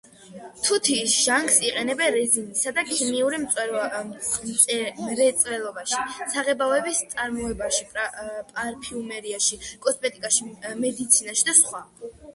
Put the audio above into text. თუთიის ჟანგს იყენებენ რეზინისა და ქიმიურ მრეწველობაში, საღებავების წარმოებაში, პარფიუმერიაში, კოსმეტიკაში, მედიცინაში და სხვა.